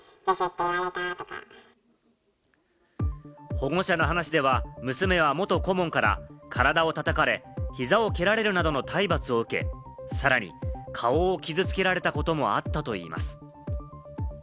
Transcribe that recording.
保護者の話では娘は元顧問から体を叩かれ、膝を蹴られるなどの体罰を受け、さらに顔を傷付けられたこともあったといいます。